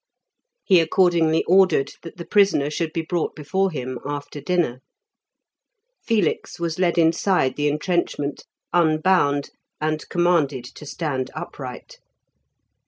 He accordingly ordered that the prisoner should be brought before him after dinner. Felix was led inside the entrenchment, unbound, and commanded to stand upright.